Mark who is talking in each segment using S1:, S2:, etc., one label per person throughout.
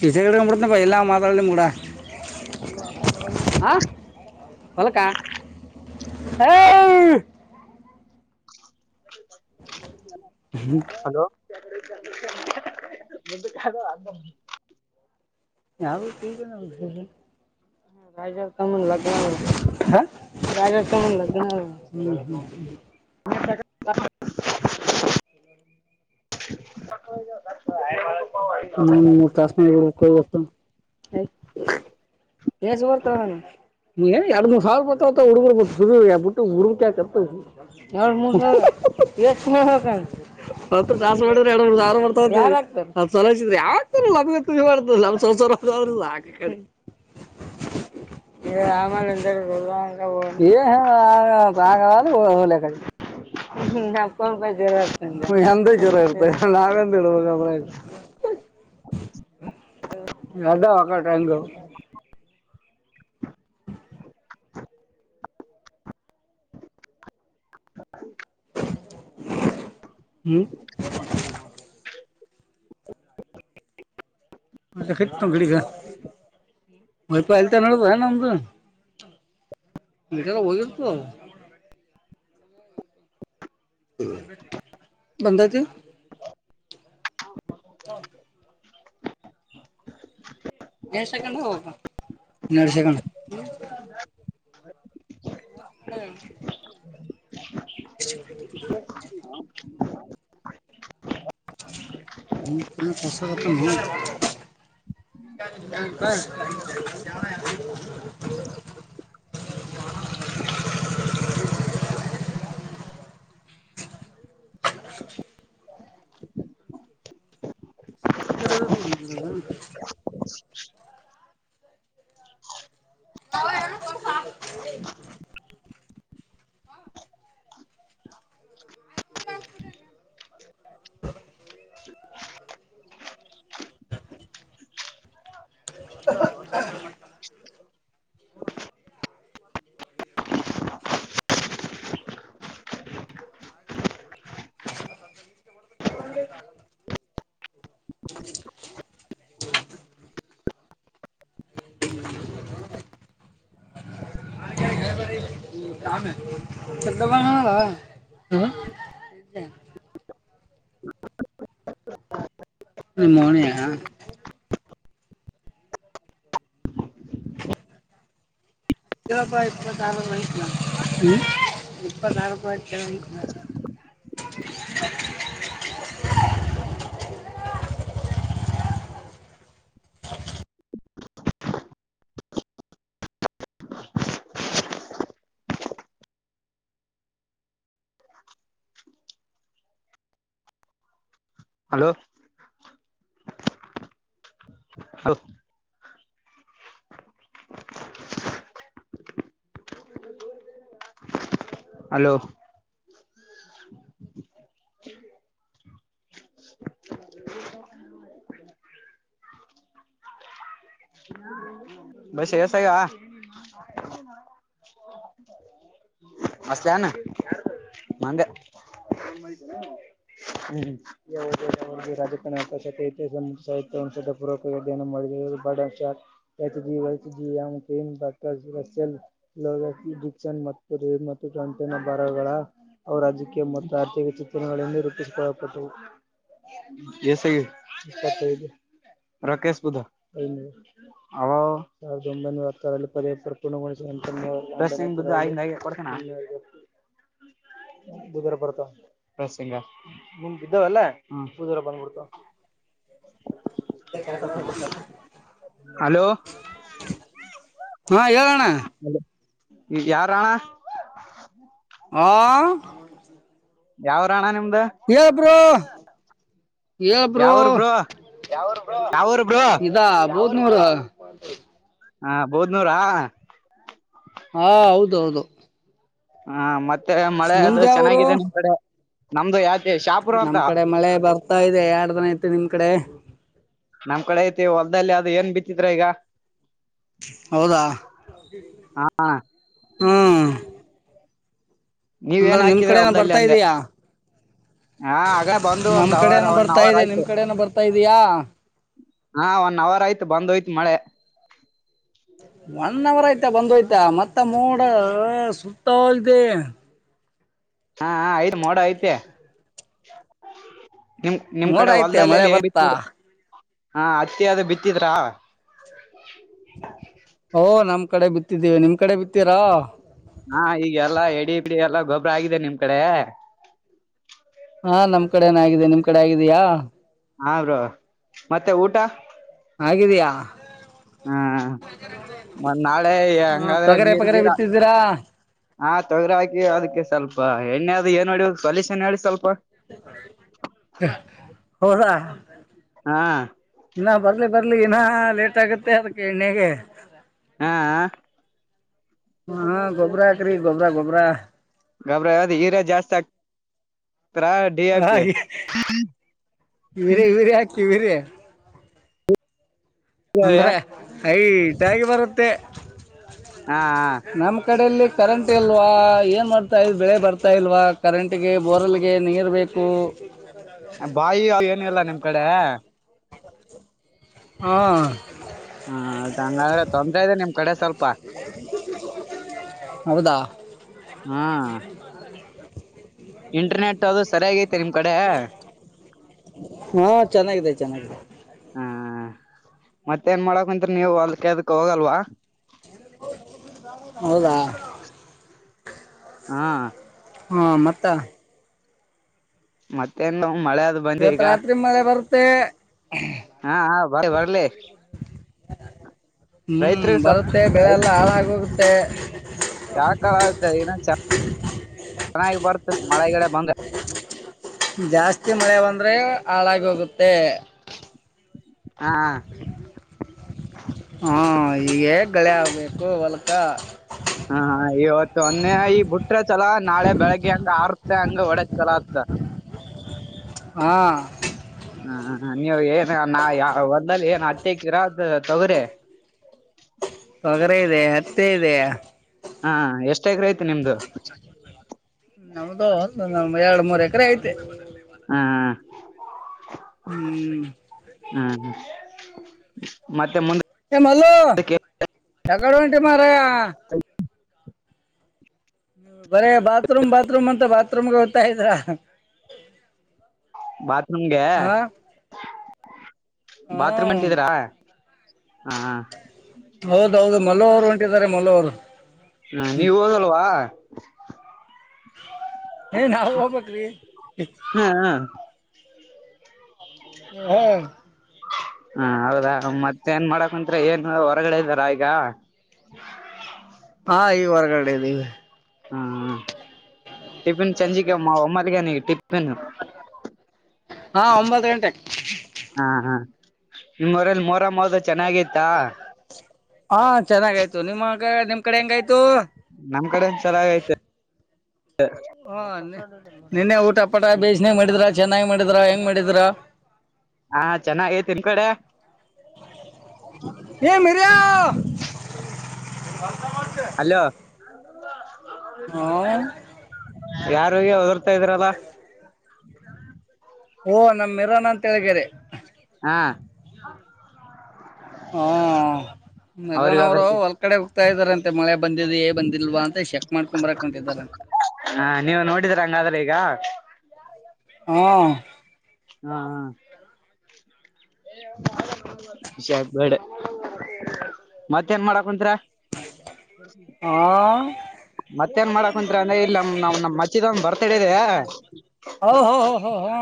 S1: ಪಿಸೆ ಕಡ್ಕಬಿಡ್ತನ ಬ ಎಲ್ಲಾ ಮಾತಾಡಲಿ ಕೂಡ ಹ ಹೊಲಕ್ಕ ಹ
S2: ಹಲೋ ನಿ
S1: ಯ ತಮ ಲ [inaudible] ಕಾಗಕಮ ಲಗಣ ಹ್ಮ
S2: ಹ ಜ [inaudible]
S1: ಹ್ಮ ಮೂರ ತಾಸ ಮೇಲ್ ವಿಡಿಯೋ ಕಾಲ್ ಬರತದ್ ಎಸ ಬರ್ತಾವನು [inaudible] ನೀ ಎರಡ್ ಮೂರ್ ಸಾವಲ್ ಬತತ ಹುಡುಗರ್ ಬ ಸುಬಿಟ್ಟು ಹುರ್ಕ ಆಕತ್ ಒ ದಸ್ ಮಾಡ್ರ ಎರಡು ದಾರ ಮಾಡರ್ತಾವ [inaudible] ಸಲಿದ್ರ ಯಾವ ಲ ಮಾಡ್ತ ನ್ಸ್ರ ಆ ಕಡೆ ರಾಮಲಿಂದ [inaudible] ಹ ಬಾಗದುಲ ಕ [inaudible] ಹ್ಮ ಜ್ರ ಇಂದ ಜ್ವರ ಇರ್ತ ನಾವೆಂದ ಇ [inaudible] ಎದ ಹಕ್ಕಟೈಗ್ ಹ್ಮ್ ಕ ಗಡಿಗ ವಯಪ ಇಲ್ತಾ ನೋಡುದ ನಮ್ದು ಮಿಟ ಬಗತ [inaudible] ಬಂದಾಯ್ತಿ ಎರಡು ಸೆಕ್ ಹ ಎೆರಡು ಸೆಕ್
S2: ಹ
S1: ಹ್ಮ [inaudible] [inaudible]
S2: [inaudible]
S1: ಹ ತಿನ ಪಸ ಕತ ಹ [inaudible] ಹ [inaudible] ಟೀಂ [inaudible] ಥಿ [inaudible] ಕಡ [inaudible] ಹ [inaudible] ಕೇಹೂ ಖ್ಯಾತ ಹ
S2: ಹ
S1: ಶ್ರೀ [inaudible]
S2: ಷೂ [inaudible]
S1: ಬಾನ ಹ [inaudible] ಆಂಧ್ಯ ನಿ ಮೋನಿಯಾ ಇಪ್ಪ ಇ ಕಾಲ ಇಪ್ಪತ್ತ ಆರುಪಾಯಿ ಚ ಹ [inaudible]
S2: ಹಲೋ ಹಲೋ ಹಲೋ ಹ ಬಸ್ಯಾ ಏಸಾಗ್ಯಾವ್ [unintelligible] ಆಕಿತ್ಯಷಧ ಪೂರ್ವಕ ಯನ್ನು ಮಾಡ ಬಡ್ಸ ಎತ್ ಜಿ ವೈತ್ ಜಿ ಎಂ ಕೀಮ್ ಡಾಕ್ಟರ್ ಸಸ ಎಲ್ ಲೋಗ ಮತ್ ಮತ್ತ ಗಂಟಿನ ಭಾರಗಳ ಅವ ರಾಜಕೀಯ ಮತ್ತು ಆರ್ಥಿಕ ಚಿಂತನೆಗಳನ್ನು ರೂಪಿಸಿಕೊಳ್ಳಪಟ್ಟವು ಎಸ [inaudible] ರಾಕೇಶ್ ಬುಧ ಅವ ಸಾವಿರದ ಒಂಬೈನೂರ ಹತ್ತಲ್ಲಿ ಪದ ಪೂರ್ಣಗೊಳಿಸ ಬಸ್ ಕೊಡ್ತಿನ ಬದರ ಬರ್ತಾವ ಸಿಂಗ ನಿಮ್ದಿದ್ದಾವಲ್ಲಾ ಹ್ಮ್ ಪೂದರ ಬಂದ್ಬಡ್ತಾವ್ ಹಲೋ
S1: [unintelligible] ಹಾ ಹೇಳಣ್ಣ
S2: ಇದ್ ಯಾರಣ
S1: ಆ
S2: ಯಾವ್ರಣ ನಿಮ್
S1: ಹೇಳ್ ಬ್ರೋ ಹೇಳ ಬ್ರೋ, ಯಾವೂರು ಬ್ರೋ
S2: ಯಾವೂರ್ ಬ್ರೋ
S1: ಇದಾ ಬೂ ದ್ನೂರ
S2: ಹಾ ಬೂದ್ನೂರಾ
S1: ಹಾ ಹೌದೌದು
S2: ಹಾ ಮತ್ತೆ ಮಳೆ ಅದು
S1: ಯಾವರು
S2: ಚೆನ್ನಾಗಿದೆ ನಿಮ್ ಕಡೆ ನಮ್ದು ಯಾತ್
S1: ನಮ್ ಕಡೆ ಮಳೆ ಬರ್ತಾ ಇದೆ ಯಾಡ್ ದಿನ ಆಯ್ತು ನಿಮ್ ಕಡೆ.
S2: ನಮ್ ಕಡೆ ಐತಿ ಹೊಲ್ದಲ್ಲಿ ಅದು ಏನ್ ಬಿತ್ತಿದ್ರ ಈಗ
S1: ಹೌದಾ ಹ್ಮ್
S2: ನೀವೇನ್
S1: ಅಂದ್ರೆ ನಿಮ್
S2: ಹಾಕಿದ್ರ
S1: ಕಡೆನ
S2: ಹೊಲ್ದಲ್ಲಿ
S1: ಬರ್ತಾ
S2: ಅಂದೆ
S1: ಇದೀಯಾ
S2: ಹಾ ಆಗ ಬಂದು
S1: ನಮ್
S2: ಒಂದ್ ಅವರ್
S1: ಕಡೆನ
S2: ಒನ್
S1: ಬರ್ತಾ
S2: ಅವರ್
S1: ಇದೆ
S2: ಆಯ್ತು
S1: ನಿಮ್ ಕಡೆನ ಬರ್ತಾ ಇದೀಯಾ
S2: ಹಾ ಒನ್ ಅವರ್ ಆಯ್ತು ಬಂದೋಯ್ತು ಮಳೆ.
S1: ಒನ್ ಅವರ್ ಆಯ್ತಾ ಬಂದೋಯ್ತಾ ಮತ್ತ ಮೋಡ ಸುತ್ತಾ ಇದೆ
S2: ಹಾ ಹಾ ಐತ್ ಮೋಡ ಐತೆ ನಿಮ್ ನಿಮ್
S1: ಮೋಡ
S2: ಕಡೆ
S1: ಐತೆ ಮಳೆ
S2: ಹೊಲ್ದಲ್ಲಲ್ಲಿ ಏನ್
S1: ಬರ್ತಾ
S2: ಬಿತ್ತೀರೀ ಹಾ ಅತ್ತಿ ಅದು ಬಿತ್ತಿದ್ರಾ
S1: ಓ ನಮ್ ಕಡೆ ಬಿತ್ತಿದ್ದೀವೆ ನಿಮ್ ಕಡೆ ಬಿತ್ತೀರಾ
S2: ಹಾ ಈಗ ಎಲ್ಲಾ ಎಡಿ ಬಿಡಿ ಎಲ್ಲಾ ಗೊಬ್ಬರ ಆಗಿದೆ ನಿಮ್ ಕಡೆ
S1: ಹಾ ನಮ್ ಕಡೆನಾಗಿದೆ ನಿಮ್ ಕಡೆ ಆಗಿದೆಯಾ
S2: ಹಾ ಬ್ರೋ ಮತ್ತೆ ಊಟ
S1: ಆಗಿದೆಯಾ
S2: ಮ ನಾಳೆ ಹೆಂಗಾದ್ರೆ
S1: ಪಗರೆ
S2: ನೀರ್ಗಿರ
S1: ಬಿತ್ತಿದ್ದೀರಾ
S2: ಆ ತೊಗ್ರಾಕಿವಿ ಅದಕ್ಕೆ ಸ್ವಲ್ಪ ಎಣ್ಣೆ ಅದು ಏನ್ ನೋಡಿ ಸೊಲ್ಯೂಷನ್ ಹೇಳಿ ಸ್ವಲ್ಪ
S1: [unintelligible]
S2: ಹಾ
S1: ಇನ್ನ ಬರ್ಲಿ ಬರ್ಲಿ ಇನ್ನ ಲೇಟ್ ಆಗುತ್ತೆ ಅದಕ್ಕೆ ಎಣ್ಣೆಗೆ
S2: ಹಾ ಆ
S1: ಹ್ಮ ಹಾ ಗೊಬ್ಬ್ರ ಹಾಕ್ರಿ ಗೊಬ್ಬ್ರಾ ಗೊಬ್ಬ್ರಾ
S2: ಗಬ್ರ ಅದ ಯೂರಿಯಾ ಜಾಸ್ತಿ ಆಕ್
S1: ಹಾ ಯೂರಿಯಾ ಯೂರಿಯಾ ಆಕ್ತೀ ಯೂರಿಯಾ
S2: ಹಾ
S1: ಅಂದ್ರೆ ಹೈಟಾಗಿ ಬರುತ್ತೆ.
S2: ಹಾ ಹಾ
S1: ಈ ಕಡೆಯಲ್ಲಿ ಕರೆಂಟ್ ಇಲ್ವಾ ಏನ್ ಮಾಡ್ತಾ ಇದ ಬೆಳೆ ಬರ್ತಾ ಇಲ್ವಾ ಕರೆಂಟ್ ಗೆ ಬೋರ್ಲ್ಗೆ ನೀರ್ ಬೇಕ್
S2: ಬಾಯಿ ಅವ್ ಏನಿಲ್ಲ ನಿಮ್ ಕಡೆ ಹಾ
S1: [unintelligible] ಹಾ
S2: ಹಾ ಅದ ಹಂಗಾದ್ರೆ ತೊಂದ್ರ ಇದೆ ನಿಮ್ ಕಡೆ ಸ್ವಲ್ಪ
S1: ಹೌದಾ
S2: ಹಾ ಸರಿಯಾಗೈತೆ ನಿಮ್ ಕಡೆ
S1: [inaudible] ಹಾ ಚೆನ್ನಾಗಿದೆ ಚೆನ್ನಾಗಿದೆ ಹಾಗ
S2: ಮತ್ತ ಏನ್ ಮಾಡಕುಂತಿರ್ ನೀವು ಹೊಲಕ್ ಎದಕ್ ಹೋಗಲ್ವಾ
S1: ಹೌದಾ
S2: ಹಾ
S1: ಹಾ ಮತ್ತ
S2: ಮತ್ತೇನು
S1: ಇವತ್ತು ರಾತ್ರಿ ಮ ಬರುತ
S2: ಹಾ ಹ ಬ ಬರ್ಲಿ
S1: ಹ್ಮ್ ಬರುತ್ತೆ ಬೆಳೆಲ್ಲ ಹಾಳಾಗೋಗುತ್ತೆ
S2: ಯಾಕಾಲಾದಿನ ಚೆನ್ನಾಗಿ ಬಾರತ ಮಳೆಗಡೆ ಬಂದ
S1: ಜಾಸ್ತಿ ಮಳೆ ಬಂದ್ರೆ ಹಾಳಾಗಿ ಹೋಗುತ್ತೆ
S2: ಹಾ
S1: ಹಾ ಈಗೇ ಗಳಿ ಆಗ್ಬೇಕು ಹೊಲ್ಕ
S2: ಹ ಹಾ ಇವತ್ತು ಒಂದೆ ಈ ಬಿಟ್ರೆ ಚಲ ನಾಳೆ ಬೆಳಿಗ್ಗೆ ಅಂದ ಆರ್ ಅಂಗ ವಡ ಚಲ
S1: ಹಾ
S2: ಹಾ ನೀವ್ ಏನ್ ನಾ ಯ ಒಂದಲ್ಲಿ ಏನ್ ಹತ್ತಿಕ್ಕಿರದು ತಗ್ರಿ
S1: ಒಗರ ಇದೆ ಹತ್ತೆ ಇದೆ
S2: ಹಾ ಎಷ್ಟ
S1: ನಮ್ದ ಒ ಎರಡ್ ಮೂರ್ ಎಕರೆ ಐತೆ
S2: ಹ್ಮ್ ಹ್ಮ್
S1: ಹ್ಮ್
S2: ಹ್ಮ್ ಹ ಮತ್ತೆ
S1: ಏ ಮಲ್ಲು
S2: ಮುಂದಕ್ಕೆ
S1: ಎಕಡ ಒಂಟಿ ಮಾರ ಬರೇ ಬಾತ್ರೂಮ್ ಬಾತ್ರೂಮ್ ಅಂತ ಬಾತ್ರೂಮ್ಗೆ ಓದತಾ ಇದ್ರ
S2: ಬಾತ್ೂಮ್ಗೆ
S1: ಹಾ
S2: ಬಾತ್ರೂಮ್
S1: ಹ್ಮ್
S2: ಅಂಟಿದೀರಾ
S1: ಹೌದೌದು ಮಲ್ಲೋ ಅವರು ಹೊಂಟಿದ್ದಾರೆ ಮಲ್ಲೋ ಅವ್ರು
S2: ಹ್ಮ ನೀವ ಹೋದಲ್ವಾ
S1: ಏ ನಾವು ಹ ಬಕ್ರೀ
S2: ಹಾ ಹಾ ಹಾ ಹೌದಾ ಮತ್ತೆ ಏನ್ ಮಾಡಕ್ ಮಂತ್ತ್ರ ಏನು ಹೊರಗಡೆ ಇದ್ದಾರ ಈಗ
S1: ಹಾ ಈ ಹೊರಗಡೆ ನೀ
S2: ಹ್ಮ ಹಾ ಟಫಿನ್ ಚಜಿಿಕ ಮಾ ಒಮ್ಮಲಿಗ ನೀ ಟಫಿನ್
S1: ಹಾ ಒಂಬತ್ ಗಂಟೆ
S2: ಹಾ ಹಾ ನಿಮ್ವರಲ್ಲಿ ಮೊರ ಮೊ
S1: ಹಾ ಚೆನ್ನಾಗಯ್ತು ನಿಮ್ಮಗ ನಿಮ್ ಕಡೆ ಹೆಂಗಾಯ್ತು
S2: ನಮ್ ಕಡೆ ಒನ್ಸರಾಗೈತೆ
S1: ಹಾ ನಿನ್ನೆ ಊಟ ಪಟ ಬೇಿಸಿನ ಮಾಡಿದ್ರ ಚೆನ್ನಾಗಿ್ ಮಾಡಿದ್ರ ಹೆಂಗ್ ಮಾಡಿದ್ರ
S2: ಹಾ ಚೆನ್ನಾಗ ತಿನ್ ಕಡೆ
S1: ಏ ಮರಿ
S2: ಅಲೋ
S1: ಹ
S2: ಯಾರ ಅವ ಹತಾ ಇದ್ರಲ್ಲ
S1: ಓ ನಮ ಮರೋನ ಅಂತ ಹೇಳಗಾರೆ
S2: ಹ
S1: ಹ ಮರನ್ ಅವ್ರು
S2: ಒದರ್ತಿ
S1: ಒಲ್ ಕಡೆ ಹೋಗ್ತಾ ಇದಾರಂತೆ ಮಳೆ ಬಂದಿದ್ದ ಏ ಬಂದಿಲ್ವಾ ಅಂತ ಚೆಕ್ ಮಾಡ್ಕೊಂಡಂಬರಾಕಂತಿದಾರಂತೆ
S2: ಹಾ ನೀವು ನೋಡಿದ್ರ ಹಂಗಾದ್ರೆ ಈಗ
S1: ಹಾ
S2: ಹ್ಮ ಹ್ಮ ಆಬೇಡ ಮತ್ತೇನ್ ಮಾಡಾಕ್ಂತರ
S1: ಹಾ
S2: ಮತ್ತೇಏನ್ ಮಾಡಾಕಂತ್ರಿ ಅಂದ್ರೆ ಇಲ್ಲಿ ನಮ್ ನಾವ್ ನಮ್ ಮಚ್ಚಿದ ಒಂದ ಬರ್ತಡ ಇದೆ
S1: ಹ ಹ ಹ ಹ ಹಾ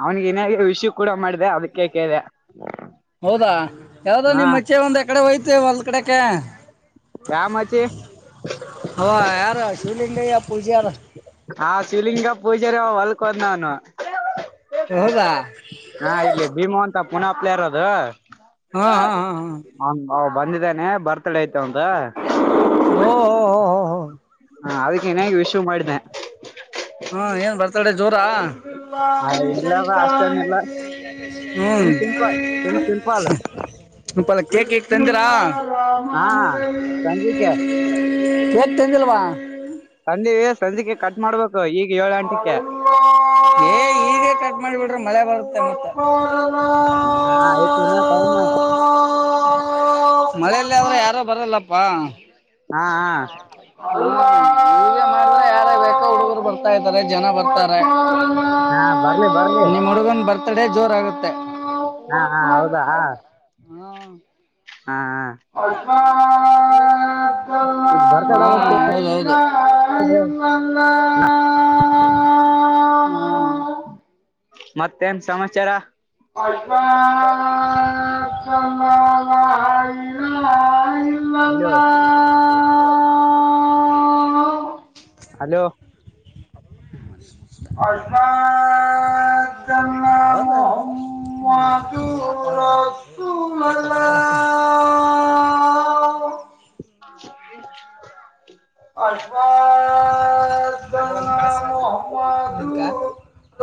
S2: ಅವ್ನಿಗೆನ್ಯೆ ವಿಷು ಕೂಡ ಮಾಡಿದೆ ಅದಕ್ಕೆೇಕಿದೆ
S1: ಹೌದಾ ಯಾವ್ದ ನಿಮ್ ಮಚೆ ಒಂದ ಎ ಕಡೆ ಹೋಯ್ತು ಒಂದ ಕಡೆಕ
S2: ಯಾ ಮಚ್ಚಿ
S1: ಹ ಯಾರ ಅಶ್ಲಿ ಪೂಜೆ ಯಾರ
S2: ಹಾ ಶಿವಲಿಂಗ ಪೂಜಾರಿ ಹೊಲ್ಕ್ ಹೋದ್ ನಾವ್ನು
S1: ಹೌದಾ
S2: ಹಾ ಇಲ್ಲಿ ಭೀಮೋ ಅಂತ ಪುನ ಪ್ಲೇಯರ್ ಅದು
S1: ಹಾ ಹಾ ಹಾ ಹಾ
S2: ಬಂದಿದ್ದೇನೆ ಬರ್ತಾಡೆ ಆಯ್ತ ಅಂತ
S1: ಹ ಹ ಹಾ ಹಾ
S2: ಹಾ ಅದಕ್ಕೆ ನ್ಯಾಗಿ ವಿಶು ಮಾಡಿದೆ
S1: ಹಾ ಏನ್ ಬರ್ತಾಳೆ ಜೋರಾ
S2: ಆ,
S1: ಹ್ಮ್
S2: ಇಲ್ಲವ ಅಷ್ಟೇನಿಲ್ಲ ಸುಮ್ ಸಿಂಪಲ್ ಸುಮ್ ಸಿಂಪಲ್
S1: ಇಪ್ಪಲ್ಲ ಕೇಕ್ ಕೇಕ್ ತಂದಿರಾ
S2: ಹಾ ಸಂಜಿಕೆ
S1: ಕೇಕ್ ತಂದಿಲ್ಲವಾ
S2: ಸಂಜಿವ ಸಂಜಿಕೆ ಕಟ್ ಮಾಡ್ಬೇಕು ಈಗ ಏಳು ಗಂಟೆಗೆ
S1: ಏ ಈಗ ಕಟ್ ಮಾಡಿ ಬಿಡ್ರೆ ಮಳೆ ಬರುತ್ತೆ ಮತ್ತೆ
S2: ಹಾ ತು ನ ತ ನ
S1: ವಾ್ ಹ್ಮ ಈಗ ಮಾಡಿದ್ರೆ ಯಾರ ಬೇಕೋ ಹುಡುಗರು ಬರ್ತಾ ಇದಾರೆ ಜನ ಬರ್ತಾ
S2: ಹಾ ಬರ್ಲಿ ಬರ್ಲಿ
S1: ನಿಮ್ ಹುಡುಗನ್ ಬರ್ತ್ಡೇ ಜೋರ್ ಆಗುತ್ತೆ
S2: ಹಾ ಹಾ ಹೌದಾ ಹಾ
S1: ಹ್ಮ್.
S2: ಇದು ಬರ್ತಾಡ
S1: ಹಾ ಹೌದೌದು
S2: ಹದ ಹ
S1: ಹ
S2: ಮತ್ತೇನ್ ಸಮಾಚಾರ
S1: ಅಶ ಸಮಮ್ಮ
S2: ಹಲೋ
S1: ಹ
S2: ಹಲೋ
S1: ಅರ್ಷ ಚ ಮತು ರು ಹ
S2: ಹ
S1: ಅಲ್ಪ ದ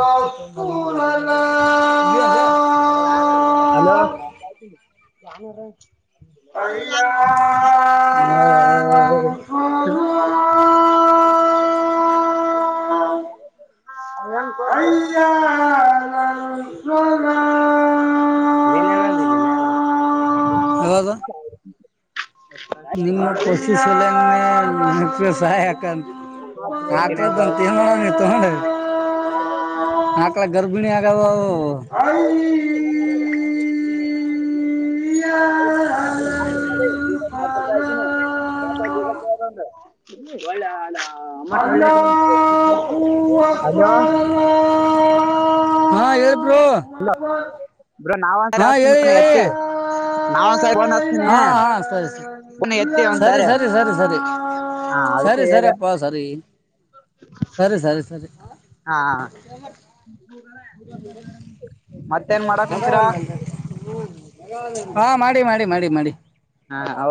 S1: ರುಲಲ
S2: ಹಲೋ ಯ ಅ ಹ
S1: ಹ್ಮ್
S2: ನ್ ತೋಸ
S1: ಹೌದು
S2: ಹ
S1: ನಿಮ್ಮ ಪಸಿ ಸಲ ಸಕ ಹತ್ರದಂತೋ ತಗೊಂಡ ಆಾ ಕಳ ಗರ್ಭಿಣಿ ಆಗದು ಅ ಯ
S2: ನಪಾಯ [inaudible]
S1: ಅಲ್ಲೋ
S2: ಹ
S1: ಹ
S2: ಹ್ಮ್
S1: ಹಾ ಹೇಳ ಬೋ
S2: ಬ್ರೋ ನಾವ್
S1: ಹಾ
S2: ಹಸ್ತೀನಿ
S1: ಹೇಳಿ
S2: ಪುನಃ
S1: ಹೇಳಿ
S2: ಎತ್ತಿ ನಾವ್ ಫೋನ್ ಹಸ್ತೀನಿ
S1: ಹಾ ಹಾ ಸರಿ
S2: ಪುನಃ ಎತ್ತಿ
S1: ಸರಿ
S2: ಒಂದ್ಸಾರಿ
S1: ಸರಿ ಸರಿ ಸರಿ ಸರಿ
S2: ಹಾ ಅದಕ್ಕೆ
S1: ಸರಿ ಸರಿ
S2: ಹೇಳಿದೆ
S1: ಅಪ್ಪಾ ಸರಿ ಸರಿ ಸರಿ ಸರಿ
S2: ಹಾ ಮತ್ತೇನ್ ಮಾಡಕ್ ಕುಂತೀರಾ
S1: ಹಾ ಮಾಡಿ ಮಾಡಿ ಮಾಡಿ ಮಾಡಿ
S2: ಹಾ